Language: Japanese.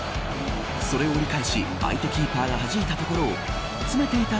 それを折り返し相手キーパーがはじいたところを詰めていた